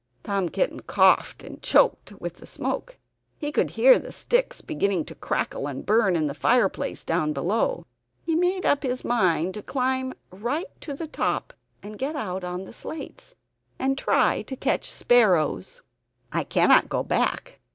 Tom Kitten coughed and choked with the smoke; he could hear the sticks beginning to crackle and burn in the fireplace down below. He made up his mind to climb right to the top, and get out on the slates, and try to catch sparrows. "I cannot go back.